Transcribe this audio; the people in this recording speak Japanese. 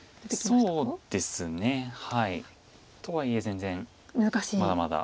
そうですね。とはいえ全然まだまだ。